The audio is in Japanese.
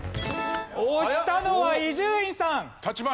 押したのは伊集院さん！